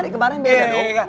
kemaren beda dong